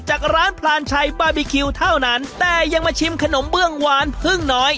จากร้านพลานชัยบาร์บีคิวเท่านั้นแต่ยังมาชิมขนมเบื้องหวานพึ่งน้อย